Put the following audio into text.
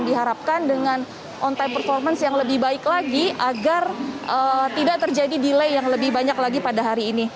diharapkan dengan on time performance yang lebih baik lagi agar tidak terjadi delay yang lebih banyak lagi pada hari ini